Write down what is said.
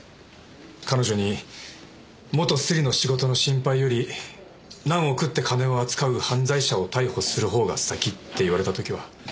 彼女に「元スリの仕事の心配より何億って金を扱う犯罪者を逮捕するほうが先」って言われた時は。